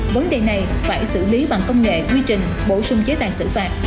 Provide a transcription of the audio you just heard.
vấn đề này phải xử lý bằng công nghệ quy trình bổ sung chế tài xử phạt